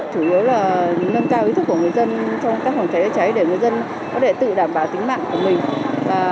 chủ yếu là nâng cao ý thức của người dân trong công tác phòng cháy cháy để người dân có thể tự đảm bảo tính mạng của mình